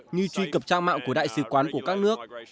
như truy cập trang mạo của đại sứ quán của các nước